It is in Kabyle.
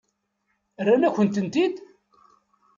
Rran-akent-ten-id?